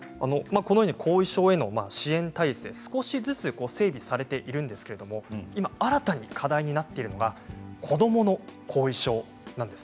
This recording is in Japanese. このように後遺症への支援体制が少しずつ整備されているんですけれど新たに課題になっているのが子どもの後遺症です。